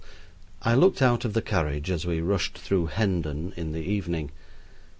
I looked out of the carriage as we rushed through Hendon in the evening.